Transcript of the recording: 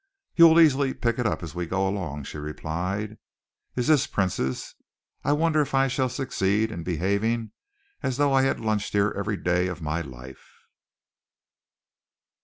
"You will easily pick it up as we go along," she replied. "Is this Prince's? I wonder if I shall succeed in behaving as though I had lunched here every day of my life!"